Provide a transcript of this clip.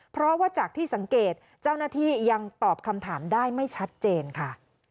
เพราะว่าจากที่สังเกตเจ้าหน้าที่ยังตอบคำถามได้ไม่ชัดเจนค่ะ